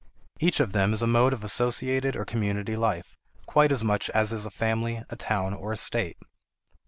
Each of them is a mode of associated or community life, quite as much as is a family, a town, or a state.